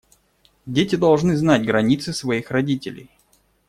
Дети должны знать границы своих родителей.